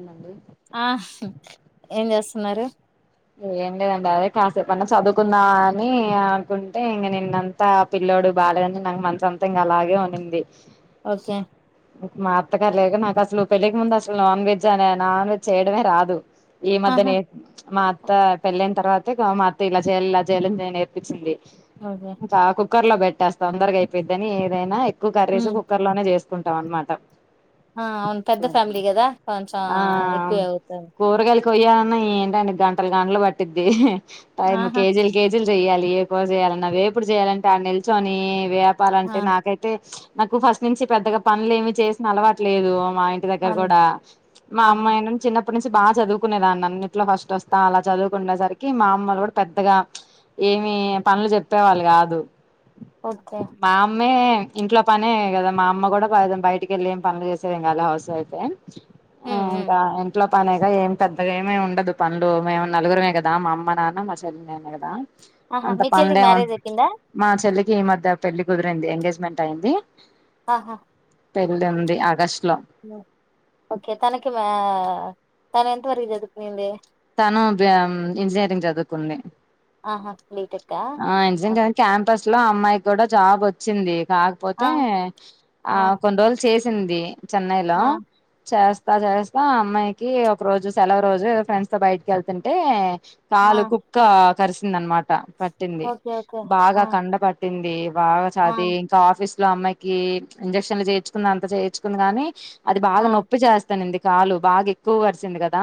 ఏమండీ ఆ ఏం చేస్తున్నారు ఏం లేదండి అదే కాసేపు అన్నా చదువుకుందా అని అనుకుంటే ఇంగ నిన్నంతా పిల్లోడు బాగాలేదని నాకు మనసంతా ఇంగ అలాగే ఉనింది ఓకే మా అత్త గారు లేకా నాకు అసలు పెళ్ళికి ముందు అసలు నాన్ వెజ్ అనే నాన్ వెజ్ చేయడమే రాదు ఈ ఆహా మధ్యనే మా అత్త పెళ్లైన తర్వాత ఇక మా అత్త ఇలా చెయ్యాలి ఇలా చెయ్యాలి అని నేర్పించింది అదే ఇంకా కుక్కర్ లో పెట్టేస్త తొందరగా అయిపోయిద్దని ఏదైనా ఎక్కువ కర్రీస్ ఉమ్ కుక్కర్ లోనే చేస్తా స్కుంటాం అన్నమాట ఆ అవున్ పెద్ద ఫ్యామిలీ గా కదా కొంచెం ఆ ఎక్కువవుతు కూరగాయలు కొయ్యాలన్నా ఏంటండి గంటలు గంటలు పట్టిద్ది టైమ్ ఆహా కేజిల్ కేజిల్ చెయాలి ఏకువ చేయాలి అవ ఏపుడు చేయాలంటే ఆ నిల్చొని ఆ చెప్పాలంటే నాకైతే నాకు ఫస్ట్ నుంచి పెద్దగా పనులు ఏమి చేసిన అలవాటు లేదు మా ఇంటి అవును కూడా మా ఆహా అమ్మాయి చిన్న అప్పటి నుంచి బాగా చదువుకునేదాన్ని అన్నిట్లో ఫస్ట్ వస్తా అలా చదువుకుండేసరికి మా అమ్మలు కూడా పెద్దగా ఏమి పనులు చెప్పేవాళ్ళు కాదు ఓకే ే ఇంట్లో పనే కదా మా అమ్మ కూడా బయటకి వెళ్లి ఏం పనులు చేసేదిం కా హౌస్ వై కేన్ ఆ ఉమ్ ఉమ్ అకాా ఎంట్లో పనేగా ఏం పెద్దగా ఏమమి ఉండదు పనులు మేము నలుగురమే కదా మా అమ్మ నాన్న మా చెల్లినే కదా ఆహా అంత మీ చెల్లికి పనులేమ మ్యారేజ్ అయిపోయిందా మా చెల్లికి ఈ మధ్య పెళ్లి కుదిరింది ఎంగేజ్మెంట్ అయి్యంది ఆహా పెళ్లి ఉంది ఆగస్ట్ లో న [unintelligible] ఓకే తనకి మా తను ఎంత వరకు చదువుకునింది తను ఇంజనీరింగ్ చదువుకుంది ఆహా బీటెక్ ఆ ఇంజనీరింగ్ క్యాంపస్ ఇట్లో అమ్మాయి కూడా జాబ్ వచ్చింది కాకపోతే ఆ ఆ కొన్ని రోజులు చేసి సింది చెన్నైలో ఆ చేస్త ఇ చేస్తా అమ్మాయికి ఒక రోజు సెలవు రోజు ఫ్రెండ్స్ బయటకి వెళ్తుంటే ఆ కాలు కుక్క కరిసింద అనమాట పట్టింది ఓకే ఓకే బాగా ఆ కండ పట్టింది ఇ బాగా ఆ చది ఇంకా ఆఫీస్ ఇలో అమ్మాయికి ఇంజెక్షన్లు చేయిచుకుంది అంత చేయిచుకుంది గాని అది ఆ బాగా నొప్పి చేస్తాను ఇంది కాలు బాగా ఎక్కువ కరిసింది కదా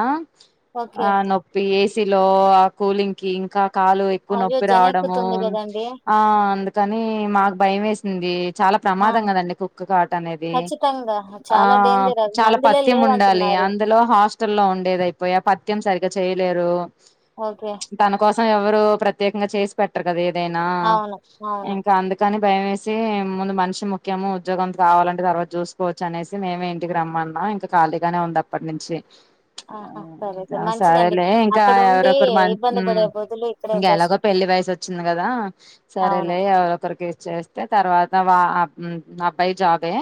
ఓకే ఆ నొప్పి ఏ లో ఆ కూలింగ్ కి ఇంకా కాలు ఎక్కువ అయ్యో నొప్పి రావడము జనెక్కుతుంది కదండి ఆ అందు కాని మాకు భయం వేసింది చాలా ఆ ప్రమాదం కదండి కుక్క కాట్ అనేది ఖచ్చితంగా ఆ చాలా డేంజర్ అది. చాలా మందులే పత్యం ఉండాలి లేవంటున్నారు. అందులో హాస్టల్ల్లో ఉండేదయిపోయా పత్ సరిగ చేయలేరు ఓకే తన కోసం ఎవరు ప్రత్యేకంగా చేసి పెట్టరు కదా అదేనా అవును. అవును. ఇంకా అందుకని భయ వేసి ముందు మనిషి ముఖ్యము ఉద్యోగం భయమేసి ముందు మెన్స్ ముఖ్యము ఉద్యోగం కావాలంటే తర్వాత చూసుకోవచ్చు అనేసి మేమే ఇంటికి రమ్మన్నా ఇంకా ఖాళీగానే ఉంది అప్పటి నుంచి ఆహా సరే సరే. మంచిదండి. సరేలే ఇంకా అక్కడుండి ఎవరొకరు మ ఇబ్బంది పడే బదులు ఇక్కడే ఇంకా బెస్ట్. ఎలాగో పెళ్లి వయసు వచ్చింది కదా అవును. సరేలే ఎవరొకరికి చేస్తే తర్వాత వా అబాయి జవ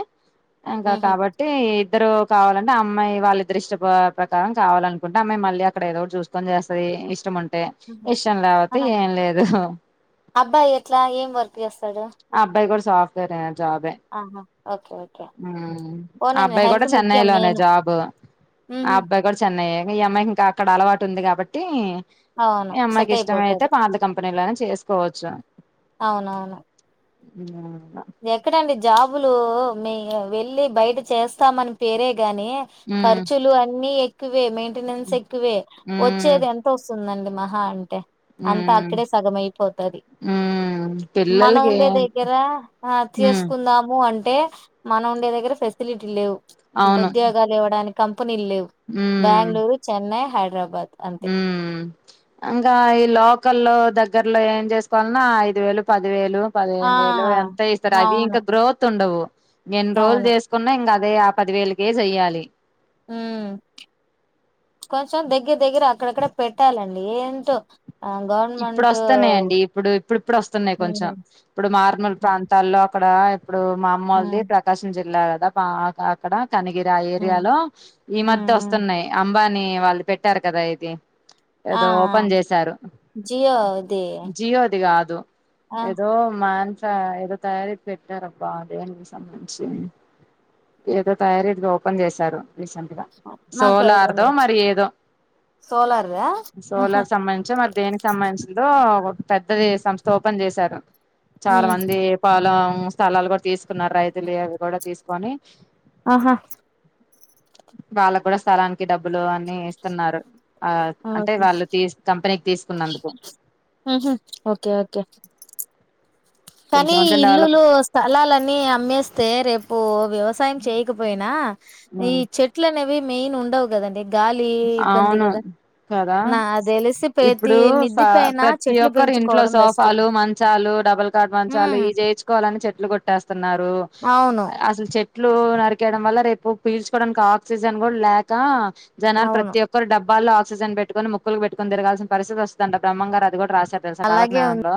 ఇంకా హుహు. కాబట్టి ఇద్దరు కావాలంటే ఆ అమ్మాయి వాళ్ళ ఇద్దరి ఇష్ట ప్రకారం కావాలంట రేమ్రే మళ్ళీ అక్కడ ఏదో చూకొనిస్తస్తుది ఇష్టం ఉంట హుహు. ఇష్టం లేకపోతే ఆహా! ఏం లేదు అబ్బాయి ఎట్లా? ఏం వర్క్ చేస్తాడు? ఆ అబ్బాయి గు సాఫ్టేరే జాబే ఆహా! ఓకే. ఓకే. ఉమ్ ఆ పోనీలే అబ్బాయి కూడా హెల్త్ చెన్నై ముఖ్యం లోనే మెయిను. జాబు ఆ హుహు. అబ్బాయి కూడా చెన్నై ఏ ఈ అమ్మాయి ఇంకా అక్కడ అలవాటు ఉంది కాబట్టి అవును. ఈ అమ్మాయికి సెట్ ఇష్టమైతే అయిపోతది. పాత కంపెనీలోనే చేసుకోవచ్చు వినా ఎక్కడంండి జాబులు మే వెళ్ళి బయట చేస్తామని పేరే గాని ఉమ్ ఖర్చులు అన్ని ఎ క్కువేమి టెనెన్స్ ఎక్కువే ఉమ్ వచ్చేది ఎంత వస్తుందండి మహా అంటే అంతా ఉమ్ అక్కడే సగం ఐపోతాది ఉమ్ మనం పిల్లలకి ఉండే దగ్గర ఉమ్ చేసుకుందాము అంటే మనం ఉండే దగ్గర ఫెసిలిటీ లేవు అవును ఉద్యోగాలు ఇవ్వడాని ప్పు నీళ్ళు లేవు బ్యాంగుళూరు చెన్నై హైడ్రాబాద్ ఊ దగ్గరలో ఏం చేసుకోవాలన్నా ఐదు వేలు పది వేలు ఆ పదిహేను వేలు ఎంత ఇస్తారు అవి అవును ఇంకా గ్రోత్ ఉండవు ఎన్ని రోజులు అవును చేసుకున్నా ఇంక అదే ఆ పదివేలకే చెయ్యాలి హమ్ కొంచెం దగ్గర దగ్గర అక్కడక్కడ పెట్టాలండి ఏంటో ఆ ఇప్పుడు గవర్నమెంట్ వస్తున్నాయిండి ఇప్పుడు ఇప్పుడు ఇప్పుడు వస్తున్నాయి కొంచెం ఉమ్ ఇప్పుడు మారుమూలు ఆ, ప్రాంతాల్లో అక్కడ ఇప్పుడు మా అమ్మోలది ఉమ్ ప్రకాశం జి ఇలా కదా పా ఆ అక్కడ కనగిరి ఆ ఉమ్ ఏరియాలో ఈ మధ్య ఉమ్ ఉమ్. వస్తున్నాయి అంబా అని వాళ్ళు పెట్టారు కదా ఇది ఆ ఏదో ఆ, ఓపెన్ చేసారు జియో ది ఇది కాదు ఆ ఏదో మాంచ్ త ఏదో తయారీది పెట్టారబ్బా దేనికి సంబంధించి ఏదో తయారీది ఓపెన్ చేశారు రీసెంట్ గా నాకు ఐడియా సోలార్దో లేదు మరి ఏదో సోలార్దా ఆహా సోలార్ సంబంధించి మరి దేని సంబంధించిందో పెద్దది సంస్థ ఒ పన్ చేేశారు చాలా ఉమ్ మంది పాలం ఉ స్థలాలు కూడా తీసుకున్నారు రైతులు అవి కూడా తీసుకొని అహా వాళ్ళ కూడా స్థలానికి డబ్ బులు అన్ని ఇస్తున్నారు కాదు అంటే ఓకే వాళ్ళు తీస్ కంపెనీ కున్నందుకు ఉహు ఓకే ఓకే కొంచెం కానీ కొంచెం డెవలప్ ఇల్లులు స్థలాలన్నీ అమ్మేస్తే రేపు వ్యవస్ వ్యవసాయం చేయకపోయినా ఈ చెట్లని అవి మెయిన్ ఉండవు కదండి గాలి ఇబ్బంది అవును కదా కదా నా తెలిసి ప్రతి ఇప్పుడు ప మిద్ది పైన ప్రతి చెట్లు ఒక్కరు ఇంట్లో పెంచుకోవడం బెస్ట్ సోఫాలు మంచాలు డబల్ దాని మంచాలు ఇది హ్మ్ చేయిచ్చుకోవాలని చెట్లు కొట్టేస్. తున్నారు అవును. అస్సలు చె. ట్లు నరికేయడం వల్ల రేపు పీల్చుకోవడానికి ఆక్సిజన్ కూడా లేకా. జనాలు అవును. ప్రతి ఒక్కరు డబ్బాలో. ఆక్సిజన్ పెట్కొని ముక్కులుకి పెట్టుకొని తిరగాల్సిన పరిస్థితి వస్తదంట బ్రహ్మంగారు అది కూడా రాసి. త తెలుసా కాల అలాగే జ్ఞానంలో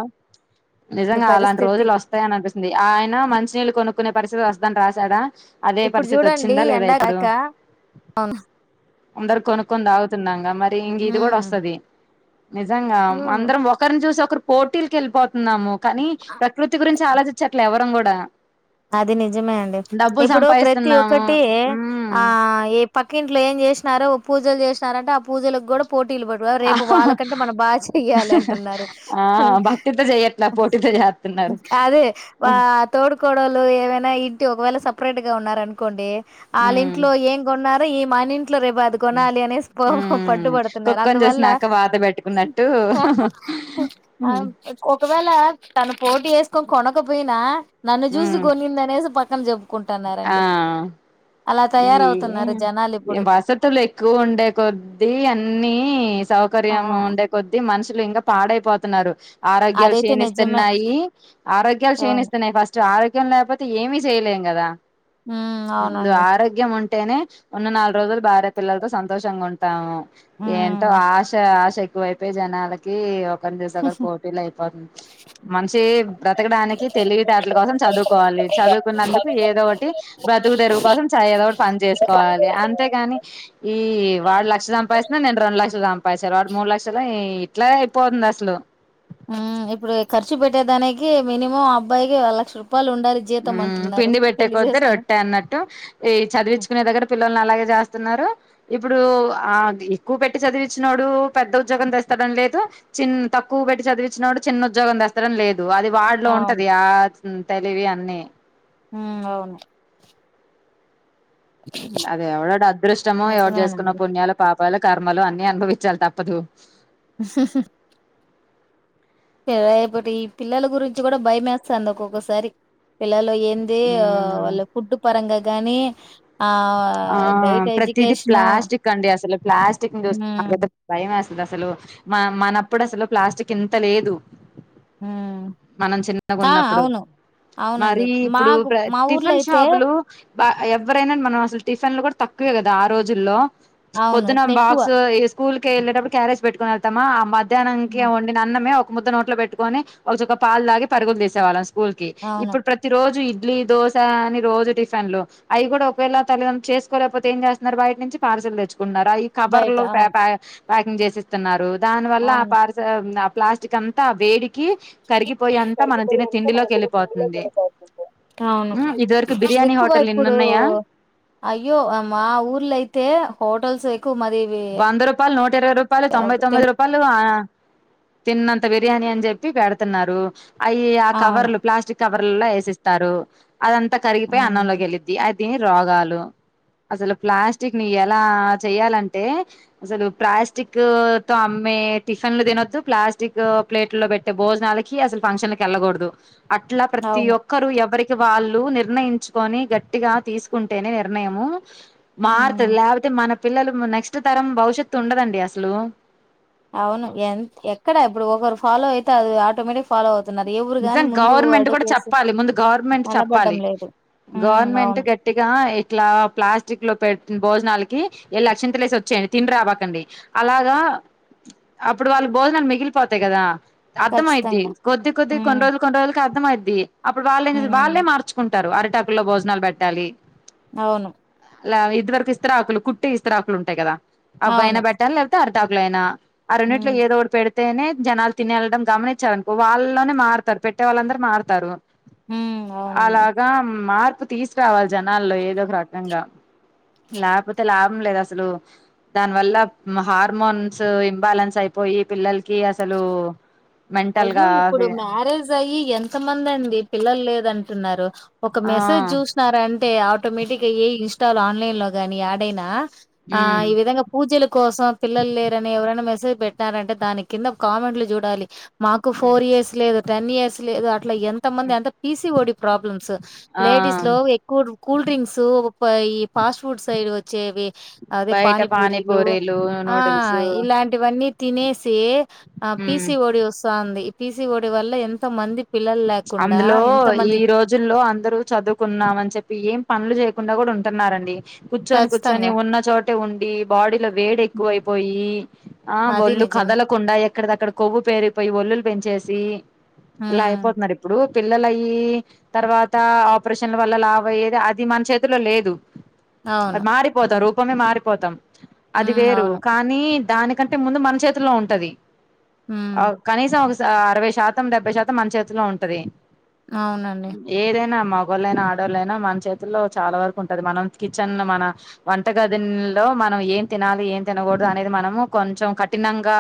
ఉంది నిజంగా అలాంటి పరిస్థితి. రోజులు వస్తాయని అనిపిస్ ది ఆయన మంచి నీళ్ళు కొనుక్కునే పరిస్థితి వస్తుందని రాశాడా. అదే ఇప్పుడు పరిస్థితి చూడండి వచ్చిందా లేదా ఎండా ఇప్పుడు లేక ఔ అందరు కొనుక్కొని తాగుతున్నాంగా మ. రి హ్మ్. ఇంకిదిగూడొస్తది నిజంగా హ్మ్. అందరం ఒకరిన్ చూసొ. కర్ పోటీల్కెలిపోతు న్నాము కానీ ప్రకృతి గురించి అలోచిచ్చట్లే ఎవరం కూ డా. అది నిజమే అండి ఇప్పుడు ప్రతి సంపాదిస్తున్నాము ఒక్కటి ఉమ్ ఆ ఎ. పక్కింట్లో ఏం చేసినారు పూజలు చేసినారంటే ఆ పూజలకు కూడా. పోటీలు పడ్త ఆ రేపు వాళ్ళకంటే మనం బాగ చెయ్యాలంటున్నారు ఆ భక్తితో చెయ్యట్లా పోటీతో చేస్తున్నారు అదే ఉమ్ తోడు. గొడవలు ఏమైనా ఇంటి ఒకవేళ సపరేట్ గా ఉన్నారనుకోండి. ఆళ్ళింట్లో ఏం కొన్నా. మనిం. ట్లో రేపది కొనాలి అనేస్ ఉమ్ పట్టు పడుతున్నారు కుక్కని అందువల్ల చూసినాక వాత పెట్టుకున్నట్టు ఒకవేళ తను. పోటీ ఏసుకో కొనక పోయినా. నన్ను చూసి ఉమ్ కొనిందనేస ప. క్కన్ జెబ్కు. ఆ ఈ తయారవుతున్నారు జనాలు ఇప్పుడు వసతులెక్కువుండేకొద్ది అన్నీ ఆ సౌకార్యంగావుండే కొద్ది మనుష్. లింకా పాడైపోతున్నారు. ఆరోగ్యాలు అదైతే నిజమే క్షీణిస్తున్నాయి ఆరోగ్యాలు అవును క్షీణిస్తున్నాయి ఫస్ట్ ఆరో. లేకపోతే ఏమీ చేయలేం కదా. ఉమ్ ముందు అవునండి ఆరోగ్యం ఉంటు. టేనే ఉన్న నాలుగు రోజులు భార్య పిల్లలతో సంతోషంగా ఉంటాము. ఏంటో ఉమ్ ఆశ ఆశ. ఎక్కువైపొయ్ జనాలకి. పని చేసేకాడా పోటీలు అయిపోతుంది మనిషి బ్రతకడానికి తెలివితేటల కోసం చదువుకోవాలి చదువుకున్నందుకు ఏ. కోటి బతుకు తెరువు కోసం చ ఏదోకటి పని చేసుకోవాలి అంతేగాని ఈ వాడు లక్ష సంపాస్తున్నాడు నేను రెండు లక్షలు సంపాస్తాను వాడు మూడు లక్షలు ఎ ఇట్లా అయిపోతుంది అసలు మ్మ్ ఇప్పుడు ఖర్చు పెట్టేదానికి మినిమం అబ్బాయికి లక్ష రూపా మ్మ్ పిండి పెట్టే కొద్ది చేసుకుని రొట్టే అన్నట్టు ఈ హ్మ్. చదివిచ్చుకునే దగ్గర పిల్లల్ని అలాగే చేస్తన్నారు ఇప్పుడు ఆ ఎక్కువ పెట్టి చదివిచ్చినోడు పెద్ద ఉద్యోగం తెస్తాడని లేదు చిన్ తక్కువ పెట్టి చదివిచ్చినోడు చిన్న ఉద్యోగం తెస్తాడని లేదు వది వాడ్లో అవును. ఉంటది యా మ్మ్ తెలివి అ నే ఉ అవును అది ఎవడో అదృష్టమో ఎవరు చేసుకున్న నిజమేనండి. పున్యాయాల పపామ్ తళ కర్మలు అన్ని అనుభవించాలి తప్పదు రేపటి ఈ పిల్లల గురించి కూడా బయ మేస్తాంది ఒక్కొక్కసారి పిల్లలు ఏంది మ్మ్ వాళ్ళ ఫుడ్ పరంగా గానీ ఆ ఆహ్, బయట ప్రతిదది ఎడ్యుకేషను ప్లాస్టిక్ అండి అసలు ప్లాస్టిక్ నాకు అయితే హ్మ్. భయం ఎస్తుంది. అసలు మ మనప్పుడు అసలు ప్లాస్టిక్ ఇంత లేదు హ్మ్. మనం చిన్నగా ఆ! ఉన్నప్పుడు అవును. అవునండి. మరి ఇప్పుడు మాకు మా ఊర్లో టిఫిన్ అయితే షాపులు బ ఎవరైనా మనం అసలు టిఫిన్లు కూడా తక్కువే కదా ఆ రోజుల్లో అవును. పొద్దున ఇప్పుడెక్కువ. బాక్స్ ఈ స్కూల్ ఎ ఎళ్ళేటప్పుడు క్యారజ్ పెట్టుకుని వెళ్తామా అ మధ్యాహ్నం కి హ్మ్. వండిన అన్నమే ఒక ఒక ముద్ద నోట్లో పెట్టుకొ ఒక పాలు దాగి పరుగులు తీసేళ్ళ అసలు స్కూల్ కి అవును. ఇప్పుడు ప్రతి రోజు ఇడ్లీ దోశ అని రోజు టిఫిన్లు అవి కూడా ఒకేళ తల్లిద చేసుకోకపో ఏం చేస్తున్నారు బయటి నుంచి పార్సల్ తెచ్చుకుంటారు కున రాయి బయట కబర్లు అవును. పేపర్ ప ప్యాకింగ్ చేసిస్తున్నారు దాని వల్ల ఆ అవును. పార్సల్ న ప్లాస్టిక్ అంత వేడి క కరిగిపోయి అంతా మనం తిినే కరిగిపోయాక తిండిలోకి మనకున్న పిండిలోకి వెళ్ళిపోతుంది వెళ్ళిపోతుంది అవును ఇదివరకు బిర్యానీ ఎక్కువ హోటల్ నిన్న ఇప్పుడు ఉన్నాయా అయ్యో మా ఊర్లో అయితే హోటల్స్ ఎక్ వంద రూపాయలు నోట ఇరవై రూపాయలు తొంభై తొమ్మిది రూపాయలు తిన్నంత బిర్యానీ అని చెప్పి పెడుతున్నారు అయి ఆ అవును కవర్లు ప్లాస్టిక్ కవర్ లా వేసిస్తారు అదంతా కరిగిపోయి అన్నలోకి వెలిద్ది అ రోగాలు అసలు ప్లాస్టిక్ ని ఎలా చేయాలం టే అసలు ప్లాస్టిక్ తో అమ్మే టిఫిన్లు తినొద్దు ప్లాస్టిక్ ప్లేట్ లో పెట్టే భోజనాలకి అసలు. ఫంక్షన్ లకి అసలు ఎళ్లకూడదు, అట్లా ప్రతి అవును ఒక్కరు ఎవరికి, వాళ్ళు నిర్ణయించుకొని గట్టిగా తీసుకుంటేనే నిర్ణయము, మారుతది లేకపోతే మన, పిల్లలు నెక్ట్ నెక్స్ట్ తరం భవిష్యత్తు ఉండదండి అసలు, అవును ఎ ఎక్కడ ఇప్పుడు ఒకరు ఫాలో అయితే అది ఆటోమేటిక్, ఫాలో అవుతున్నారు ఎవరు గాని నిజంగా ముందు గవర్నమెంట్ కూడా అడుగేసి చెప్పాలి. ముందు గవర్నమెంట్ చెప్పాలి నిలబడ్డం లేదు ఉమ్ గవర్నమెంట్ అవును గట్టిగా ఇట్లా ప్లాస్టిక్ లో పెట్, భోజనాలకి వెళ్ళ అక్షంతలు వేసి వచ్చేయండి. తిని రాబకండి అలాగా అప్పుడు. వాళ్ళ భోజనాలు మిగిలిపోతాయి కదా, అర్థమైంది ఖచ్చితంగా కొద్ది కోన్ ఉమ్ రోజులు కోన్ రోజులకు, అర్థమైంది, అప్పుడు వాళ్లే అందట ఉమ్ వాళ్లే మార్చుకుంటారు, రు అరటాకు లో భోజనాలు పెట్టాలి, అవును ఇలా ఇది వరకుఇస్తరాకులు కుట్టి ఇస్తరాకులు ఉంటాయి కదా, అవిఅయినా అవును బెట్టాలి లేపోతే అరి, తాకులేనా ఆ రెండిట్లో ఉమ్ ఏదో ఒకటి పెడితే, నే జనాలు తినేయల్లడం గమనించా, వాళ్ళలోనే మారుతారు పెట్టే వాళ్ళందరూ మారుతారు, ఉమ్ అవునండి అలాగా మార్ తీసుకురావాలి జనాల్లో ఏదో ఒక రకంగా లాభతే లాభ దు అసలు దాని వల్ల హార్మోన్స్ ఇన్ బ్యాలెన్స్ అయిపోయి పిల్లల, కి అసలు మే అయ్యో ఇప్పుడు మ్యారేజ్ అయ్యి ఎంత మంది అండి పిల్లలు లేదంటే, అంటున్నారు ఒక ఆ మెసేజ్ చూసన్నారంటే, అంటే ఆటోమేటిక్ గా ఏ ఇన్స్టాల్ ఆన్లైన్ లో ని యాడయినా, ఆ ఉమ్ ఈ విధంగా పూజలకు కోసం పిల్లలు లేరని ఎవరన్న మెసేజ్ పెట్టినారంటే దాని కింద కామెంట్లు చూడాలి మాకు ఫోర్ ఇయర్స్ లేదు టెన్ ఇయర్స్ లేదు అట్ల ఎంత మంది ఎంత P C O D problems ఆ లేడీస్ లో ఎక్కువ కూల్ డ్రింక్స్ ఈ పాస్ట్ ఫుడ్ సైడ్ వచ్చేవి అదే బయట పానీపూరీలు ఆ నూడిల్స్ ఇలాంటివన్నీ తినేసి ఆ P um C O D వస్తంది పి సి ఓ డి వల్ల ఎంత మంది అందులో ఈ రోజుల్లో అందరు చదువుకున్నామని చెప్పి ఏం పనులు చేయ కుండా కూడా ఉంటున్నారండి కూర్చొని కూర్చొని ఖచ్చితంగా. ఉన్న చోటే ఉండి బాడీలో వేడి హ్మ్. ఎక్కువైపోయి ఆ అది ఒళ్లు నిజమే. కదలకుండా ఎక్కడిదక్కడ కొవ్వు పేరిపోయి ఒల్లులు పెంచేసి సీ ఆ పోతున్నారు ఇప్పుడు పిల్లలు అయ్యి తర్వాత ఆపరేషన్ల వల్ల లావు అయ్యేది అది మన చేతిలో లేదు అది అవును. మారిపోతారు కొన్ని మారిపోతాం అది హ్మ్. వేరు అవును. కానీ దానికంటే ముందు మన చేతిలో ఉంటది హ్మ్. అ కనీసం అరవై శాతం డెబై శాతం మన చేత్ తిలో ఉంటది అవునండి. ఏదేనా మగోళ్ళైనా ఆడోళ్ళైనా మన చేతుల్లో చాలా వరకు ఉంటంది మనం కిచెన్ మన వంట గది లో మనం ఏం తినాలి ఏం తినకూడదు అనేది మనము కొంచెం కఠినంగా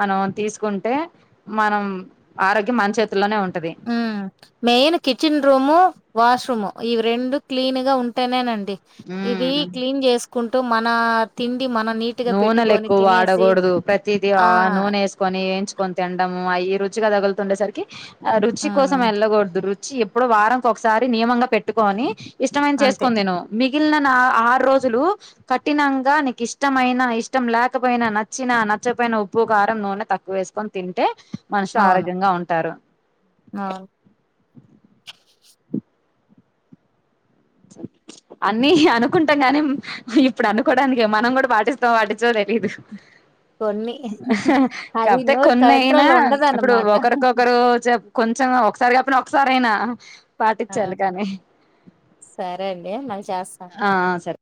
మనం తీసుకుంటే మనం ఆరోగ్యం మన చేతి తిలోనే ఉంట హ్మ్ మెయిన్ కిచెన్ రూము వాష్రూమ్ ఇవి రెండు క్లీన్ గా ఉంటేనేనండి డి ఇవి ఉమ్ క్లీన్ చేసుకుం టూ మన తిం నూనెలు ఎక్కువ వాడకూడదు ప్రతిదీ ఆ నూనె వేసుకొని వేయించుకొని తినడం అయ్యి రుచి గా తగులుతుండే సరికి ఆ రుచి కోసం హ్మ్. ఎలకూడదు రుచి చి ఎప్పుడు వారం కి ఒకసారి నియమంగా పెట్టుకొని ఇష్టమైనవి అంతే. చేసుకోని తిను మిగిలిన నా ఆరు రోజులు కఠినంగా నీకు ఇష్ట ఇష్టమైనా ఇష్టం లేకపోయినా నచ్చిన నచ్చకపోయిన ఉప్పు కారం నూనె తక్కువేసుకొని తింటే మనుషులు ఆరోగ్యంగా ఉంటారు ఆ అన్ని అనుకుంటాం గాని ఇప్పుడు అనుకోడానికే మనం కూడా పాటిస్తాం పటించమో తెలీదు కొన్ని అది కాకపోతే నోరు కొన్నియినా కంట్రోల్‌లో ఇప్పుడు ఉండదన్నమాట. ఒకరికొకరు చెప్ కొంచెం ఒకసారి కాపోయినా ఒకసారైనా ఆ! పాటించాలి కానీ సరే అండి మళీ చేస్తాను ఆ సరే